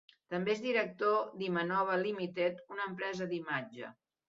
També és director d'Imanova Limited, una empresa d'imatge.